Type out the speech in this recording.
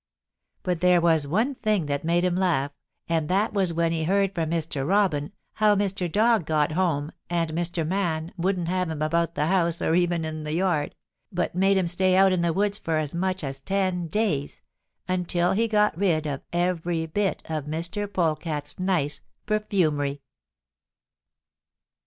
"But there was one thing that made him laugh, and that was when he heard from Mr. Robin how Mr. Dog got home and Mr. Man wouldn't have him about the house or even in the yard, but made him stay out in the woods for as much as ten days, until he had got rid of every bit of Mr. Polecat's nice perfumery."